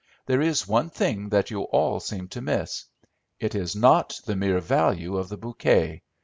There is one thing that you all seem to miss. It is not the mere value of the bouquet.